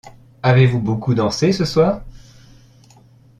Avez-vous beaucoup dansé, ce soir ?